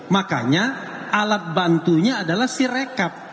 makanya alat bantunya adalah sirekap